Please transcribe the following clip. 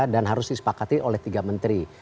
harus disepakati oleh tiga menteri